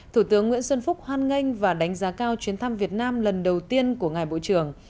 thủ tướng nguyễn xuân phúc hoan nghênh và đánh giá cao chuyến thăm việt nam lần đầu tiên của ngài bộ trưởng